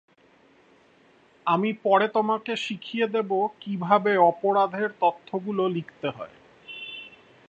আমি পরে তোমাকে শিখিয়ে দিবো কিভাবে অপরাধের তথ্য গুলো লিখতে হয়।